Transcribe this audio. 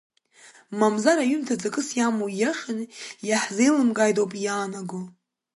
Мамзар аҩымҭа ҵакыс иамоу ииашаны иаҳзеилымкааит ауп иаанаго.